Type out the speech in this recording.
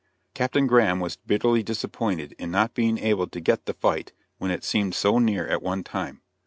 Captain Graham was bitterly disappointed in not being able to get the fight when it seemed so near at one time.